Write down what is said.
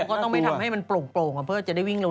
ก็ต้องไม่ทำให้มันโปร่งเพื่อจะได้วิ่งลง